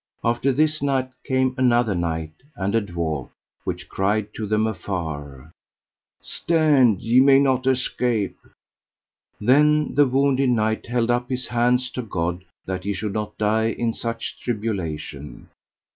After this knight came another knight and a dwarf, which cried to them afar: Stand, ye may not escape. Then the wounded knight held up his hands to God that he should not die in such tribulation.